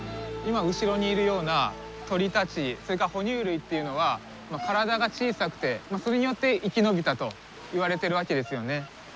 今後ろにいるような鳥たちそれから哺乳類というのは体が小さくてそれによって生き延びたといわれてるわけですよね。